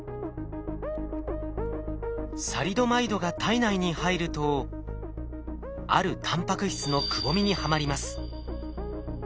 サリドマイドが体内に入るとあるタンパク質のくぼみにはまります。